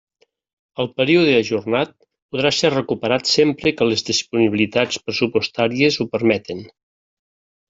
El període ajornat podrà ser recuperat sempre que les disponibilitats pressupostàries ho permeten.